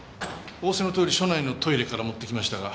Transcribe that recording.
仰せのとおり署内のトイレから持ってきましたが。